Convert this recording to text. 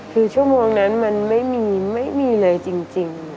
คือชั่วโมงนั้นมันไม่มีไม่มีเลยจริง